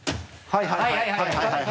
はいはい！